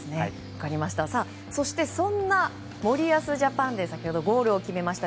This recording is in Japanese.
そして、そんな森保ジャパンで先ほどゴールを決めました